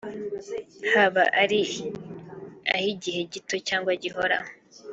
haba ari ah’igihe gito cyangwa gihoraho